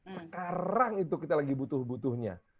sekarang itu kita lagi butuh butuhnya